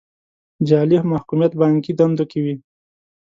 جعلي محکوميت بانکي دندو کې وي.